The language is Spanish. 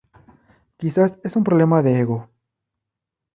Quizás es un problema de ego.